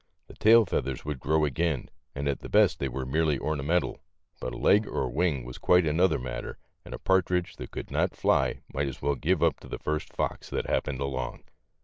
The tail feathers would grow again, and at the best they were merely ornamental, but a leg or a wing was quite another matter, and a partridge that could not fly might as well give up to the first fox that happened along.